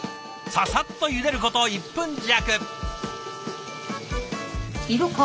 ササッとゆでること１分弱。